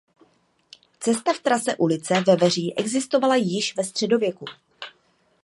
Cesta v trase ulice Veveří existovala již ve středověku.